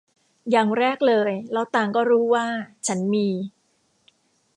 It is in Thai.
อย่างแรกเลย เราต่างก็รู้ว่าฉันมี